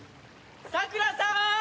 さくらさん！